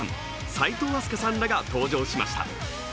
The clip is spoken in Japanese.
齋藤飛鳥さんらが登場しました。